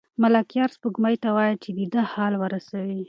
ملکیار سپوږمۍ ته وايي چې د ده حال ورسوي.